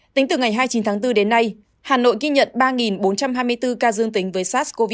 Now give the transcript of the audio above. tính từ ngày hai mươi chín tháng bốn đến nay hà nội ghi nhận ba bốn trăm hai mươi bốn ca dương tính với sars cov hai